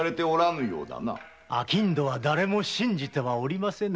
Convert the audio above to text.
商人はだれも信じておりませぬ。